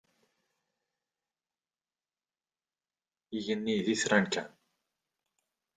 Igenni d itran kan.